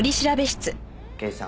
刑事さん